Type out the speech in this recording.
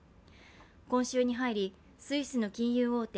今週に入りスイスの金融大手